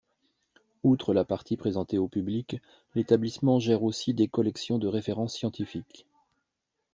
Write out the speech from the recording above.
Outre la partie présentée au public, l'établissement gère aussi des collections de référence scientifiques.